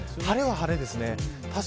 晴れは晴れですね。